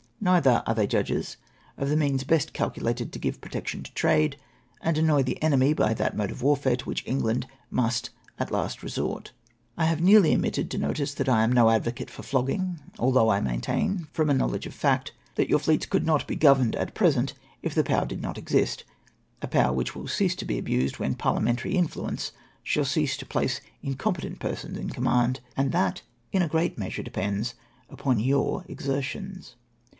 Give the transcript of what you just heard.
Neither are they judges of the means best calculated to give protec tion to trade, and annoy the enemy by that mode of warfare to which England must at last resort. " I had nearly omitted to notice that I am no advocate for flogging ; although I maintain, from a knowledge of f;ict, that yom' fleets could not be governed at present if the power did not exist, — a power which will cease to be abused when Parliamentary influence shall cease to place incompe tent persons in command, and that in a great measure depends upon your exertions.